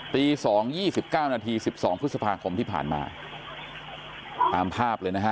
ตีสองยี่สิบเก้านาทีสิบสองพฤษภาคมที่ผ่านมาตามภาพเลยนะฮะ